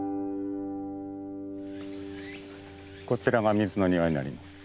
こちらが水の庭になります。